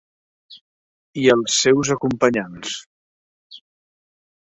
I als seus acompanyants.